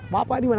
bapak ini mana